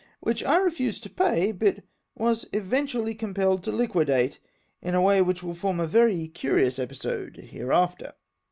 which I refused to pay, but was eventually compelled to liquidate, in a way which will form a very curious episode hereafter.